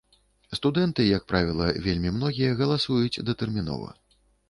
Студэнты, як правіла, вельмі многія галасуюць датэрмінова.